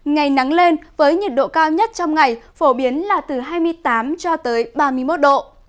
ngày nắng lên với nhiệt độ cao nhất trong ngày phổ biến là từ hai mươi tám cho tới ba mươi một độ